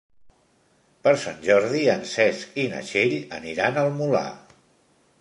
Per Sant Jordi en Cesc i na Txell aniran al Molar.